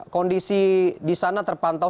kondisi di sana terpantau